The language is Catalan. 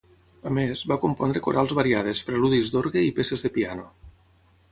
A més, va compondre corals variades, preludis d'orgue i peces de piano.